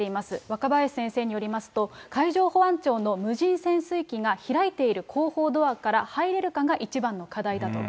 若林先生によりますと、海上保安庁の無人潜水機が開いている後方ドアから入れるかが、一番の課題だと。